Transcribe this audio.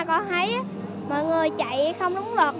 có thấy mọi người chạy không đúng luật